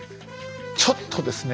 ちょっとですね